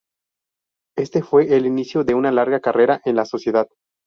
Este fue el inicio de una larga carrera en la Sociedad.